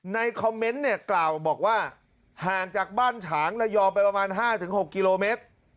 คอมเมนต์เนี่ยกล่าวบอกว่าห่างจากบ้านฉางระยองไปประมาณ๕๖กิโลเมตร